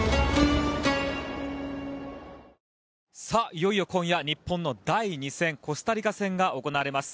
いよいよ今夜日本の第２戦コスタリカ戦が行われます。